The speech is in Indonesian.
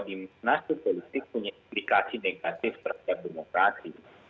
dinasi politik punya implikasi negatif terhadap demokrasi